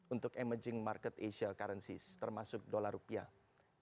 untuk emerging market asia currencys termasuk dolar rupiah